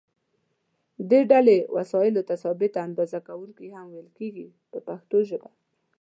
دې ډلې وسایلو ته ثابته اندازه کوونکي هم ویل کېږي په پښتو ژبه.